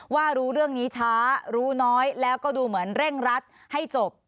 ว่ารู้เรื่องนี้ช้ารู้น้อยแล้วก็ดูเหมือนเร่งรัดให้จบ